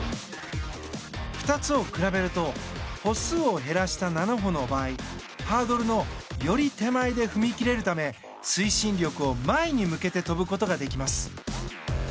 ２つを比べると歩数を減らした７歩の場合ハードルのより手前で踏み切れるため推進力を前に向けて跳ぶことができます。